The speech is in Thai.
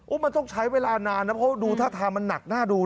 มันต้องใช้เวลานานนะเพราะดูท่าทางมันหนักน่าดู